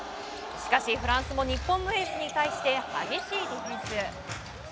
しかし、フランスも日本のエースに対して激しいディフェンス。